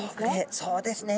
そうですね。